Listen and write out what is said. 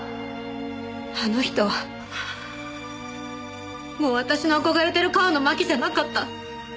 あの人はもう私の憧れてる川野麻紀じゃなかった。